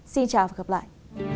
xin chào và gặp lại